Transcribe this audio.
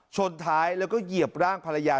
ชนท้ายแล้วก็เหยียบร่างภรรยา